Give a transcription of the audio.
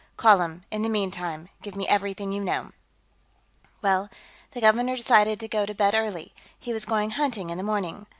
"Call him. In the meantime, give me everything you know." "Well, the governor decided to go to bed early; he was going hunting in the morning.